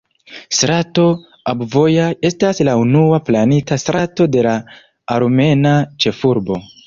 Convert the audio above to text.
Strato Abovjan estas la unua planita strato de la armena ĉefurbo.